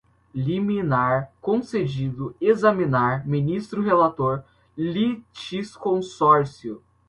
liminar, concedido, examinar, ministro relator, litisconsórcio